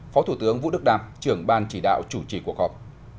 phó thủ tướng vũ đức đam trưởng ban chỉ đạo chủ trì cuộc họp